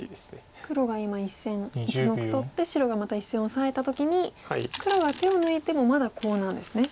黒が今１目取って白がまた１線をオサえた時に黒が手を抜いてもまだコウなんですね。